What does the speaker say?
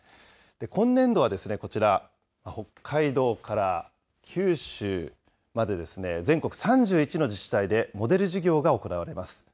今年度はこちら、北海道から九州まで、全国３１の自治体で、モデル事業が行われます。